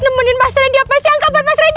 nemenin mas rendy apa sih yang kabar mas rendy